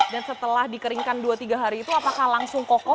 dan setelah dikeringkan dua tiga hari itu apakah langsung kokoh